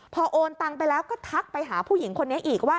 พอโอนตังไปแล้วก็ทักไปหาผู้หญิงคนนี้อีกว่า